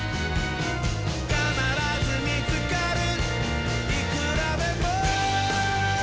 「かならずみつかるいくらでも」